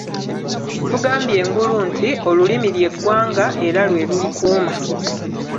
Tugambye engulu nti: Olulimi lye ggwanga era lwe lulikuuma.